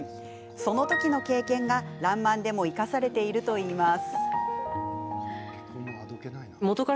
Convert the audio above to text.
その時の経験が「らんまん」でも生かされているといいます。